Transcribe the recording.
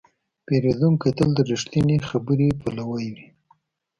پیرودونکی تل د رښتینې خبرې پلوی وي.